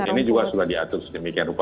ini juga sudah diatur sedemikian rupa